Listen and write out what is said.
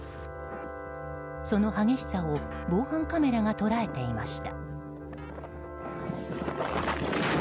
その激しさを防犯カメラが捉えていました。